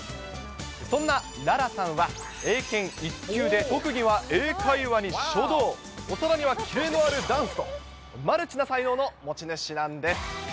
そんな楽々さんは英検１級で、特技は英会話に書道、さらにはキレのあるダンスと、マルチな才能の持ち主なんです。